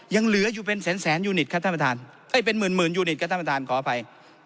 ยังเหลืออยู่เป็นแสนแสนยูนิตครับท่านประธานเอ้ยเป็นหมื่นหมื่นยูนิตครับท่านประธานขออภัย